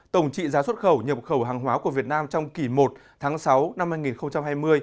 tổng trị giá xuất khẩu nhập khẩu hàng hóa của việt nam trong kỳ một tháng sáu năm hai nghìn hai mươi